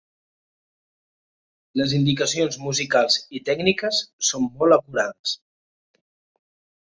Les indicacions musicals i tècniques són molt acurades.